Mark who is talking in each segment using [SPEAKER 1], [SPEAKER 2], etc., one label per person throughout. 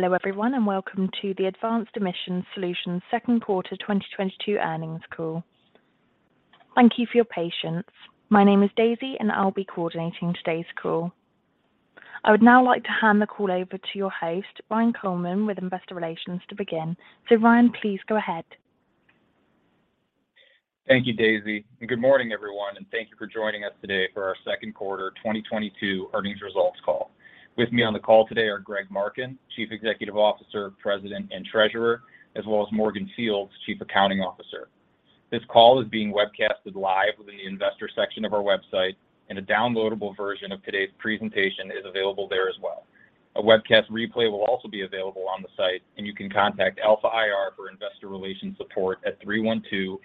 [SPEAKER 1] Hello everyone, and welcome to the Advanced Emissions Solutions second quarter 2022 earnings call. Thank you for your patience. My name is Daisy, and I'll be coordinating today's call. I would now like to hand the call over to your host, Ryan Coleman with Investor Relations to begin. Ryan, please go ahead.
[SPEAKER 2] Thank you, Daisy, and good morning everyone, and thank you for joining us today for our second quarter 2022 earnings results call. With me on the call today are Greg Marken, Chief Executive Officer, President, and Treasurer, as well as Morgan Fields, Chief Accounting Officer. This call is being webcast live within the investor section of our website, and a downloadable version of today's presentation is available there as well. A webcast replay will also be available on the site, and you can contact Alpha IR for Investor Relations support at 312-445-2870.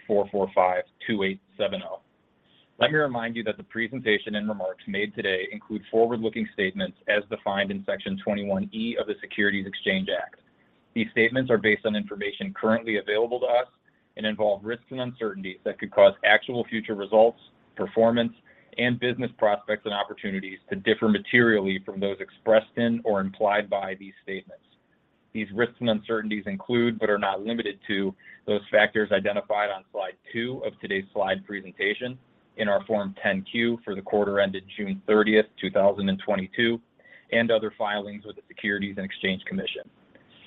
[SPEAKER 2] Let me remind you that the presentation and remarks made today include forward-looking statements as defined in Section 21E of the Securities Exchange Act. These statements are based on information currently available to us and involve risks and uncertainties that could cause actual future results, performance, and business prospects and opportunities to differ materially from those expressed in or implied by these statements. These risks and uncertainties include, but are not limited to, those factors identified on slide two of today's slide presentation in our Form 10-Q for the quarter ended June 30, 2022, and other filings with the Securities and Exchange Commission.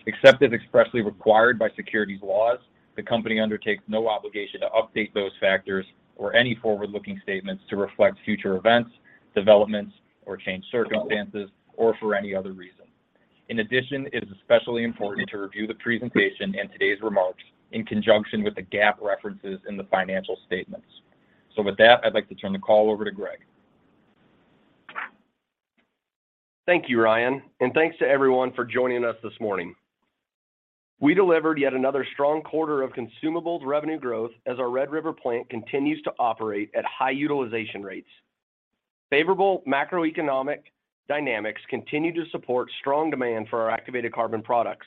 [SPEAKER 2] Except as expressly required by securities laws, the company undertakes no obligation to update those factors or any forward-looking statements to reflect future events, developments, or changed circumstances, or for any other reason. In addition, it is especially important to review the presentation and today's remarks in conjunction with the GAAP references in the financial statements. With that, I'd like to turn the call over to Greg.
[SPEAKER 3] Thank you, Ryan, and thanks to everyone for joining us this morning. We delivered yet another strong quarter of consumables revenue growth as our Red River plant continues to operate at high utilization rates. Favorable macroeconomic dynamics continue to support strong demand for our activated carbon products.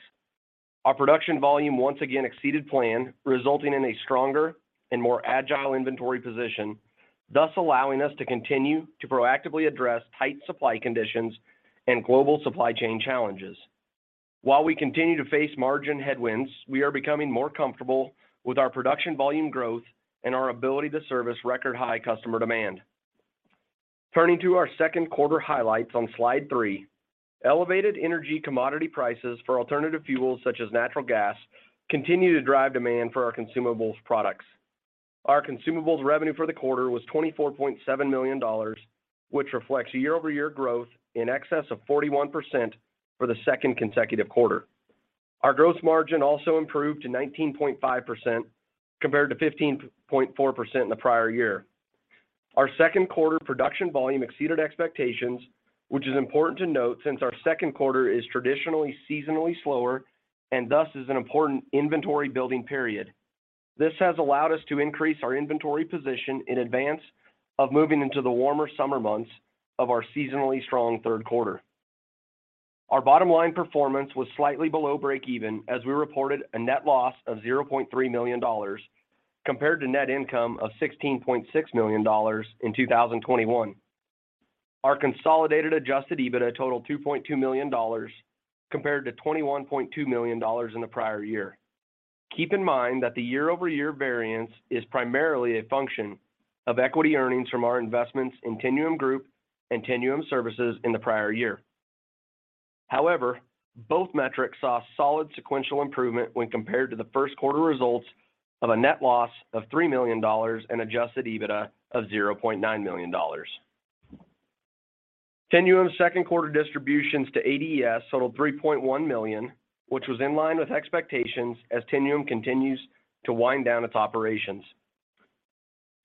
[SPEAKER 3] Our production volume once again exceeded plan, resulting in a stronger and more agile inventory position, thus allowing us to continue to proactively address tight supply conditions and global supply chain challenges. While we continue to face margin headwinds, we are becoming more comfortable with our production volume growth and our ability to service record-high customer demand. Turning to our second quarter highlights on slide three, elevated energy commodity prices for alternative fuels such as natural gas continue to drive demand for our consumables products. Our consumables revenue for the quarter was $24.7 million, which reflects a year-over-year growth in excess of 41% for the second consecutive quarter. Our gross margin also improved to 19.5% compared to 15.4% in the prior year. Our second quarter production volume exceeded expectations, which is important to note since our second quarter is traditionally seasonally slower and thus is an important inventory-building period. This has allowed us to increase our inventory position in advance of moving into the warmer summer months of our seasonally-strong third quarter. Our bottom line performance was slightly below break even as we reported a net loss of $0.3 million compared to net income of $16.6 million in 2021. Our consolidated adjusted EBITDA totaled $2.2 million compared to $21.2 million in the prior year. Keep in mind that the year-over-year variance is primarily a function of equity earnings from our investments in Tinuum Group and Tinuum Services in the prior year. However, both metrics saw solid sequential improvement when compared to the first quarter results of a net loss of $3 million and adjusted EBITDA of $0.9 million. Tinuum's second quarter distributions to ADES totaled $3.1 million, which was in line with expectations as Tinuum continues to wind down its operations.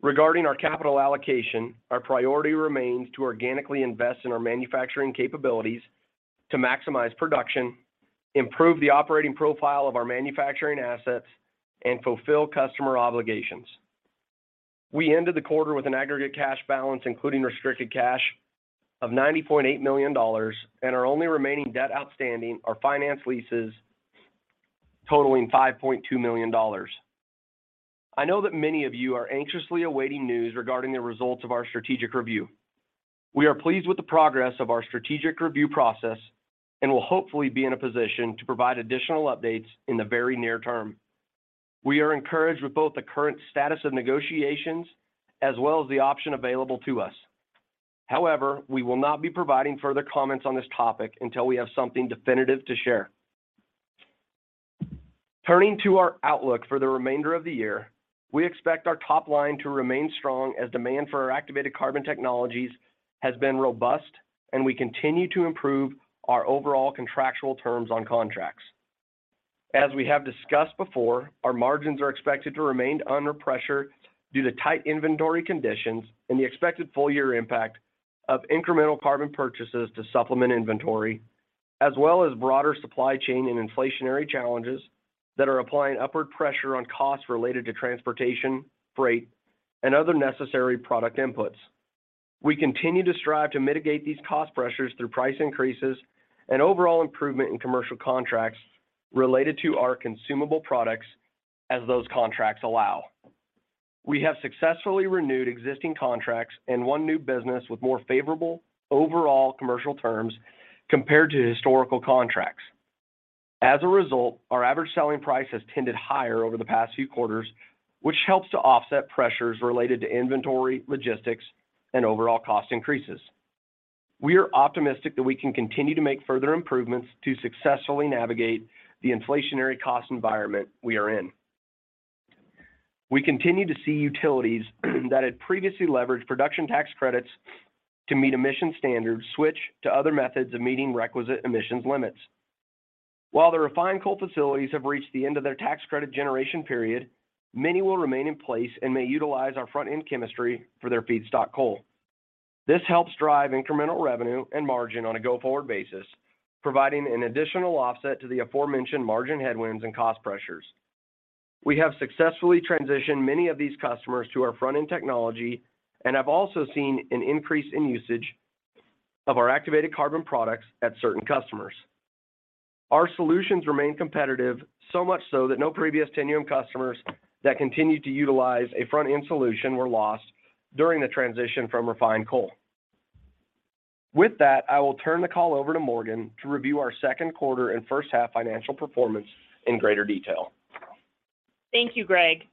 [SPEAKER 3] Regarding our capital allocation, our priority remains to organically invest in our manufacturing capabilities to maximize production, improve the operating profile of our manufacturing assets, and fulfill customer obligations. We ended the quarter with an aggregate cash balance, including restricted cash of $90.8 million, and our only remaining debt outstanding are finance leases totaling $5.2 million. I know that many of you are anxiously awaiting news regarding the results of our strategic review. We are pleased with the progress of our strategic review process and will hopefully be in a position to provide additional updates in the very near term. We are encouraged with both the current status of negotiations as well as the option available to us. However, we will not be providing further comments on this topic until we have something definitive to share. Turning to our outlook for the remainder of the year, we expect our top line to remain strong as demand for our activated carbon technologies has been robust and we continue to improve our overall contractual terms on contracts. As we have discussed before, our margins are expected to remain under pressure due to tight inventory conditions and the expected full year impact of incremental carbon purchases to supplement inventory as well as broader supply chain and inflationary challenges that are applying upward pressure on costs related to transportation, freight, and other necessary product inputs. We continue to strive to mitigate these cost pressures through price increases and overall improvement in commercial contracts related to our consumable products as those contracts allow. We have successfully renewed existing contracts and won new business with more favorable overall commercial terms compared to historical contracts. As a result, our average selling price has tended higher over the past few quarters, which helps to offset pressures related to inventory, logistics, and overall cost increases. We are optimistic that we can continue to make further improvements to successfully navigate the inflationary cost environment we are in. We continue to see utilities that had previously leveraged Production Tax Credits to meet emission standards switch to other methods of meeting requisite emissions limits. While the refined coal facilities have reached the end of their tax credit generation period, many will remain in place and may utilize our front-end chemistry for their feedstock coal. This helps drive incremental revenue and margin on a go-forward basis, providing an additional offset to the aforementioned margin headwinds and cost pressures. We have successfully transitioned many of these customers to our front-end technology and have also seen an increase in usage of our activated carbon products at certain customers. Our solutions remain competitive, so much so that no previous Tinuum customers that continue to utilize a front-end solution were lost during the transition from refined coal. With that, I will turn the call over to Morgan to review our second quarter and first half financial performance in greater detail.
[SPEAKER 4] Thank you, Greg.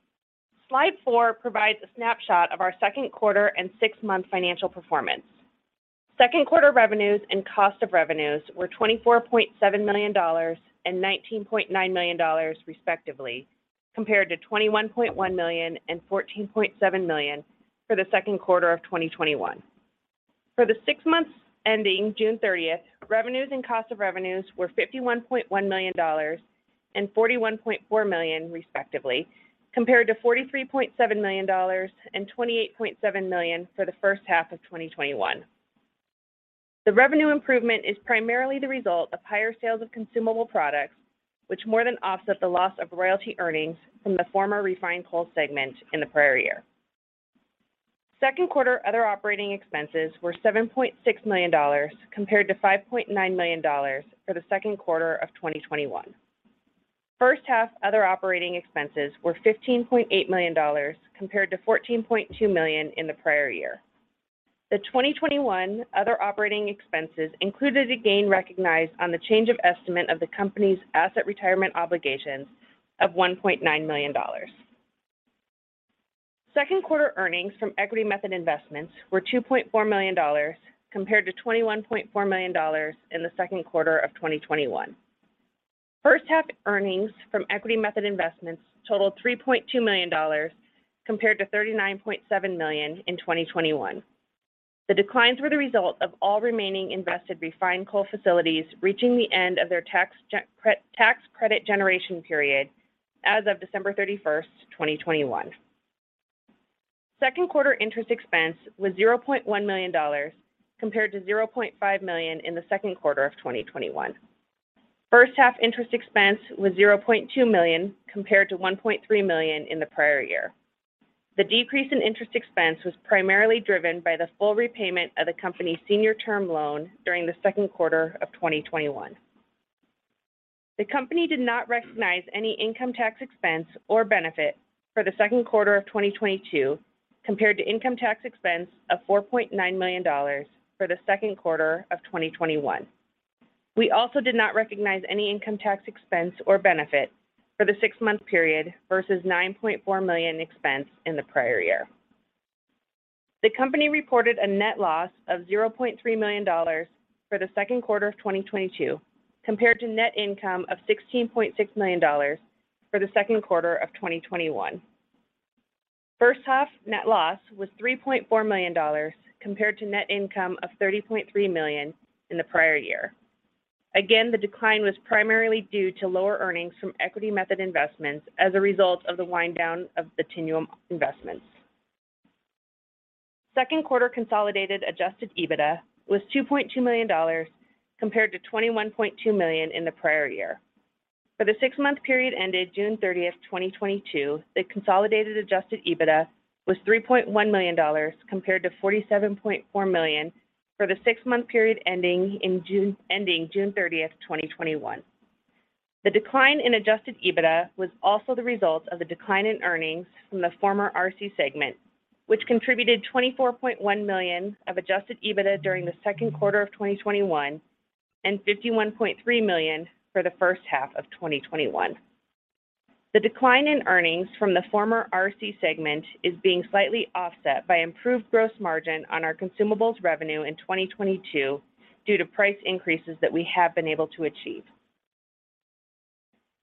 [SPEAKER 4] Slide four provides a snapshot of our second quarter and six-month financial performance. Second quarter revenues and cost of revenues were $24.7 million and $19.9 million respectively, compared to $21.1 million and $14.7 million for the second quarter of 2021. For the six months ending June 30th, revenues and cost of revenues were $51.1 million and $41.4 million respectively, compared to $43.7 million and $28.7 million for the first half of 2021. The revenue improvement is primarily the result of higher sales of consumable products, which more than offset the loss of royalty earnings from the former refined coal segment in the prior year. Second quarter other operating expenses were $7.6 million compared to $5.9 million for the second quarter of 2021. First half other operating expenses were $15.8 million compared to $14.2 million in the prior year. The 2021 other operating expenses included a gain recognized on the change of estimate of the company's Asset Retirement Obligations of $1.9 million. Second quarter earnings from Equity Method Investments were $2.4 million compared to $21.4 million in the second quarter of 2021. First half earnings from Equity Method Investments totaled $3.2 million compared to $39.7 million in 2021. The declines were the result of all remaining invested refined coal facilities reaching the end of their tax credit generation period as of December 31, 2021. Second quarter interest expense was $0.1 million compared to $0.5 million in the second quarter of 2021. First half interest expense was $0.2 million compared to $1.3 million in the prior year. The decrease in interest expense was primarily driven by the full repayment of the company's Senior Term Loan during the second quarter of 2021. The company did not recognize any income tax expense or benefit for the second quarter of 2022 compared to income tax expense of $4.9 million for the second quarter of 2021. We also did not recognize any income tax expense or benefit for the six-month period versus $9.4 million expense in the prior year. The company reported a net loss of $0.3 million for the second quarter of 2022 compared to net income of $16.6 million for the second quarter of 2021. First half net loss was $3.4 million compared to net income of $30.3 million in the prior year. Again, the decline was primarily due to lower earnings from equity method investments as a result of the wind down of the Tinuum investments. Second quarter consolidated adjusted EBITDA was $2.2 million compared to $21.2 million in the prior year. For the six-month period ended June 30, 2022, the consolidated adjusted EBITDA was $3.1 million compared to $47.4 million for the six-month period ending June 30, 2021. The decline in adjusted EBITDA was also the result of the decline in earnings from the former RC segment, which contributed $24.1 million of adjusted EBITDA during the second quarter of 2021 and $51.3 million for the first half of 2021. The decline in earnings from the former RC segment is being slightly offset by improved gross margin on our consumables revenue in 2022 due to price increases that we have been able to achieve.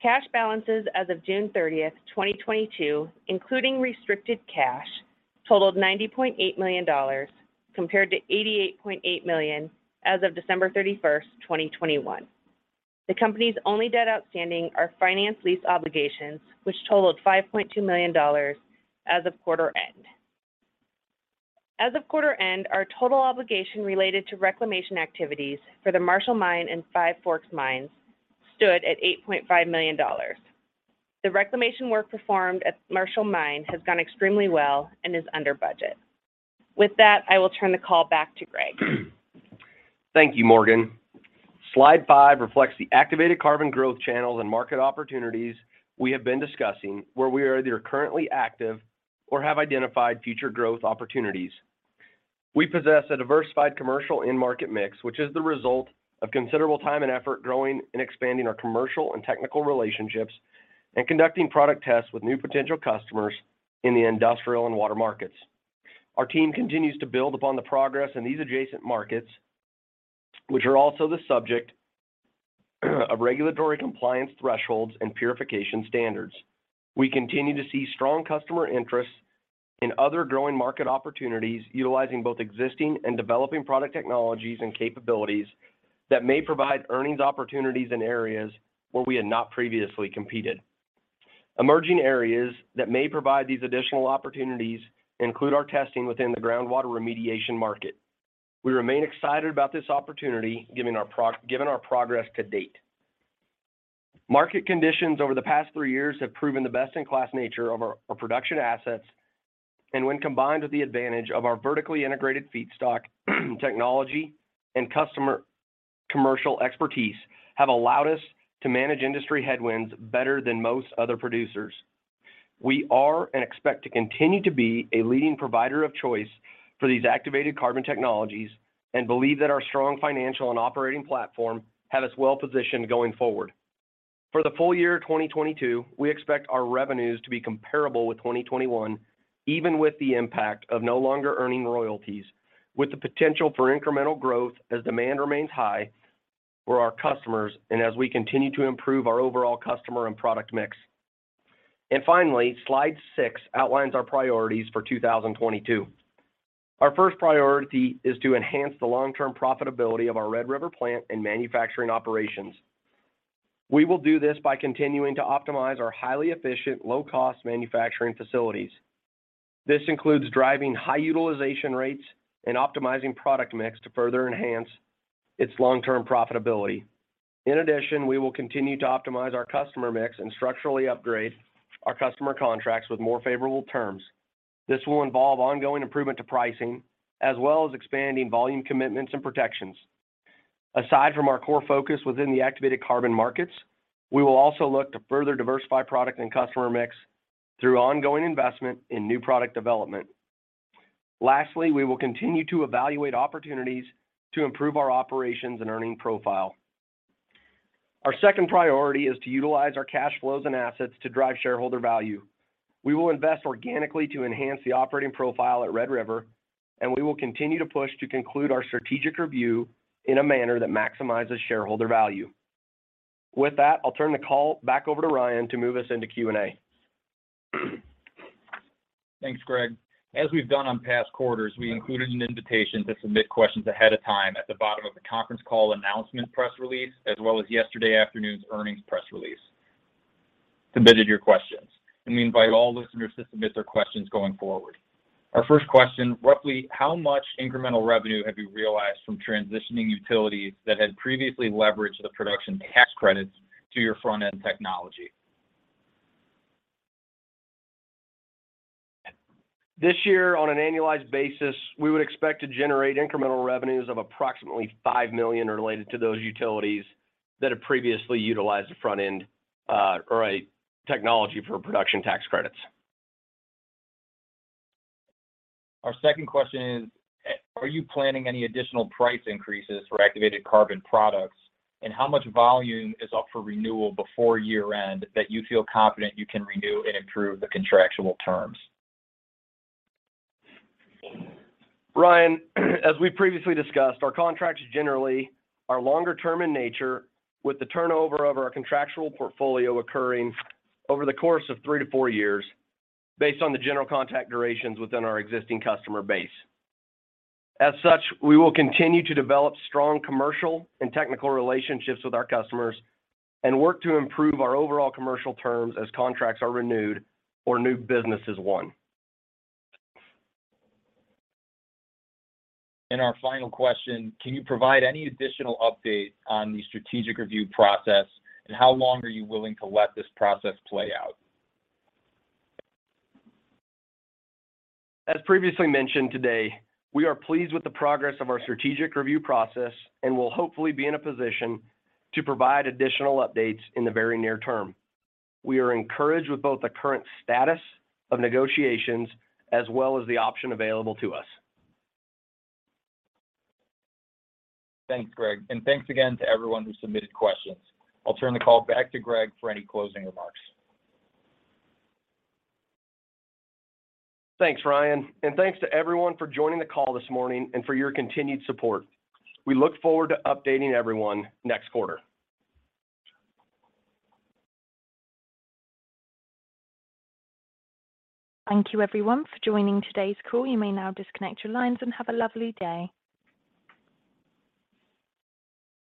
[SPEAKER 4] Cash balances as of June 30, 2022, including restricted cash, totaled $90.8 million compared to $88.8 million as of December 31, 2021. The company's only debt outstanding are Finance Lease Obligations which totaled $5.2 million as of quarter end. As of quarter end, our total obligation related to reclamation activities for the Marshall Mine and Five Forks Mines stood at $8.5 million. The reclamation work performed at Marshall Mine has gone extremely well and is under budget. With that, I will turn the call back to Greg.
[SPEAKER 3] Thank you, Morgan. Slide five reflects the activated carbon growth channels and market opportunities we have been discussing, where we either are currently active or have identified future growth opportunities. We possess a diversified commercial end market mix, which is the result of considerable time and effort growing and expanding our commercial and technical relationships and conducting product tests with new potential customers in the industrial and water markets. Our team continues to build upon the progress in these adjacent markets, which are also the subject of regulatory compliance thresholds and purification standards. We continue to see strong customer interest in other growing market opportunities utilizing both existing and developing product technologies and capabilities that may provide earnings opportunities in areas where we had not previously competed. Emerging areas that may provide these additional opportunities include our testing within the groundwater remediation market. We remain excited about this opportunity given our progress to date. Market conditions over the past three years have proven the best-in-class nature of our production assets, and when combined with the advantage of our vertically-integrated feedstock technology and customer commercial expertise, have allowed us to manage industry headwinds better than most other producers. We are and expect to continue to be a leading provider of choice for these activated carbon technologies and believe that our strong financial and operating platform have us well positioned going forward. For the full year of 2022, we expect our revenues to be comparable with 2021, even with the impact of no longer earning royalties, with the potential for incremental growth as demand remains high for our customers and as we continue to improve our overall customer and product mix. Finally, slide six outlines our priorities for 2022. Our first priority is to enhance the long-term profitability of our Red River plant and manufacturing operations. We will do this by continuing to optimize our highly efficient, low-cost manufacturing facilities. This includes driving high utilization rates and optimizing product mix to further enhance its long-term profitability. In addition, we will continue to optimize our customer mix and structurally upgrade our customer contracts with more favorable terms. This will involve ongoing improvement to pricing, as well as expanding volume commitments and protections. Aside from our core focus within the activated carbon markets, we will also look to further diversify product and customer mix through ongoing investment in new product development. Lastly, we will continue to evaluate opportunities to improve our operations and earning profile. Our second priority is to utilize our cash flows and assets to drive shareholder value. We will invest organically to enhance the operating profile at Red River, and we will continue to push to conclude our strategic review in a manner that maximizes shareholder value. With that, I'll turn the call back over to Ryan to move us into Q&A.
[SPEAKER 2] Thanks, Greg. As we've done on past quarters, we included an invitation to submit questions ahead of time at the bottom of the conference call announcement press release, as well as yesterday afternoon's earnings press release. Submit your questions, and we invite all listeners to submit their questions going forward. Our first question, roughly how much incremental revenue have you realized from transitioning utilities that had previously leveraged the Production Tax Credits to your front-end technology?
[SPEAKER 3] This year, on an annualized basis, we would expect to generate incremental revenues of approximately $5 million related to those utilities that have previously utilized the front-end technology for Production Tax Credits.
[SPEAKER 2] Our second question is, are you planning any additional price increases for activated carbon products, and how much volume is up for renewal before year-end that you feel confident you can renew and improve the contractual terms?
[SPEAKER 3] Ryan, as we previously discussed, our contracts generally are longer term in nature with the turnover of our contractual portfolio occurring over the course of three to four years based on the general contact durations within our existing customer base. As such, we will continue to develop strong commercial and technical relationships with our customers and work to improve our overall commercial terms as contracts are renewed or new business is won.
[SPEAKER 2] Our final question, can you provide any additional update on the strategic review process, and how long are you willing to let this process play out?
[SPEAKER 3] As previously mentioned today, we are pleased with the progress of our strategic review process and will hopefully be in a position to provide additional updates in the very near term. We are encouraged with both the current status of negotiations as well as the option available to us.
[SPEAKER 2] Thanks, Greg, and thanks again to everyone who submitted questions. I'll turn the call back to Greg for any closing remarks.
[SPEAKER 3] Thanks, Ryan, and thanks to everyone for joining the call this morning and for your continued support. We look forward to updating everyone next quarter.
[SPEAKER 1] Thank you everyone for joining today's call. You may now disconnect your lines and have a lovely day.